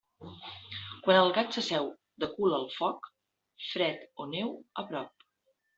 Quan el gat s'asseu de cul al foc, fred o neu a prop.